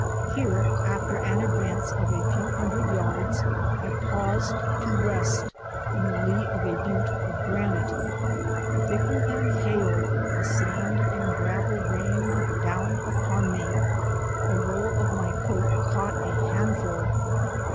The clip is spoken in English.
Here, after an advance of a few hundred yards, I paused to rest in the lee of a butte of granite. Thicker than hail the sand and gravel rained down upon me; a roll of my coat caught a handful.